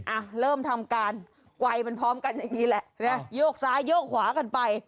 อ่ะเริ่มทำการไกลไปพร้อมกันแบบนี้แหละยกซ้ายยกขวากันไป